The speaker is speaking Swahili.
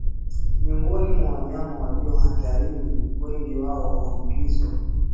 Miongoni mwa wanyama walio hatarini wengi wao huambukizwa